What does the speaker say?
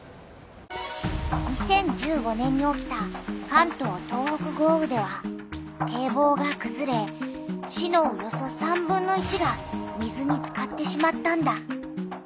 ２０１５年に起きた関東・東北豪雨では堤防がくずれ市のおよそ３分の１が水につかってしまったんだ。